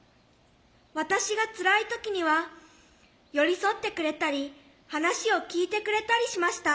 私がつらい時には寄り添ってくれたり話を聞いてくれたりしました。